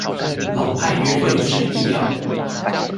老派約會之必要